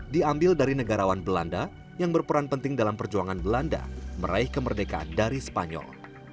diambil dari negarawan belanda yang berperan penting dalam perjuangan belanda meraih kemerdekaan dari spanyol